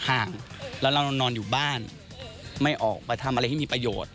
ห่างแล้วเรานอนอยู่บ้านไม่ออกไปทำอะไรที่มีประโยชน์